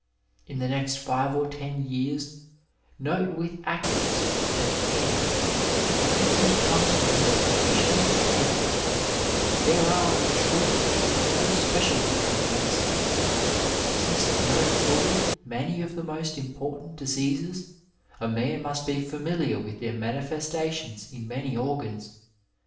In the next five or ten years note with accuracy and care everything that comes within your professional ken. There are, in truthi 110 Digitized by VjOOQiC THE ARMY SURGEON no specialties in medicine, since to know fully many of the most important diseases a man most be familiar with their manifestations in many organs.